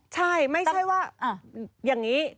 ใช่ไม่ใช่ว่าอย่างนี้